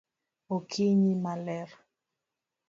Okinyi maler